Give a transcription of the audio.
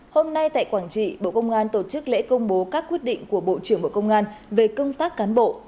hôm nay tại quảng trị bộ công an tổ chức lễ công bố các quyết định của bộ trưởng bộ công an về công tác cán bộ